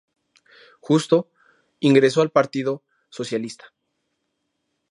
Justo, ingresó al partido socialista.